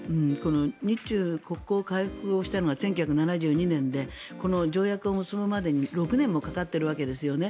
日中国交回復をしたのが１９７２年でこの条約を結ぶまでに６年もかかってるわけですよね。